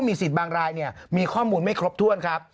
มีข้อมูลไม่ครบถ้วนครับ